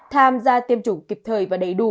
tham gia tiêm chủng kịp thời và đầy đủ